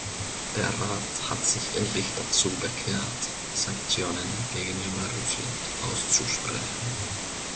Der Rat hat sich endlich dazu bekehrt, Sanktionen gegenüber Russland auszusprechen.